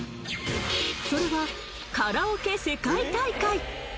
それはカラオケ世界大会。